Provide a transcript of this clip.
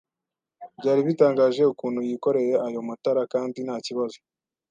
byari bitangaje ukuntu yikoreye ayo matara kandi ntakibazo